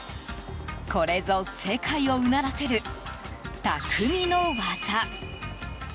これぞ世界をうならせる匠の技。